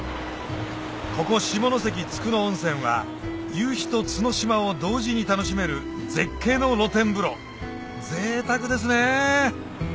ここ下関つくの温泉は夕陽と角島を同時に楽しめる絶景の露天風呂ぜいたくですね